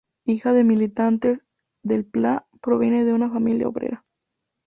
Hija de militantes, Del Plá proviene de una familia obrera.